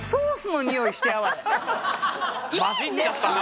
混じっちゃったな。